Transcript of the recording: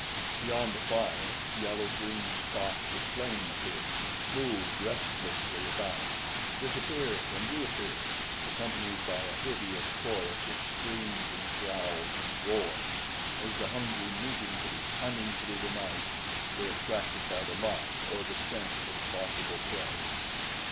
Beyond the fire, yellow green spots of flame appeared, moved restlessly about, disappeared and reappeared, accompanied by a hideous chorus of screams and growls and roars as the hungry meat eaters hunting through the night were attracted by the light or the scent of possible prey.